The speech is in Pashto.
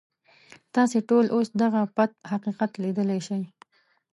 تاسې ټول اوس دغه پټ حقیقت ليدلی شئ.